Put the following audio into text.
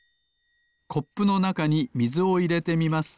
コップのなかにみずをいれてみます。